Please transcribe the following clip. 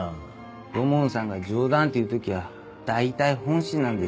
土門さんが冗談って言う時は大体本心なんですよ。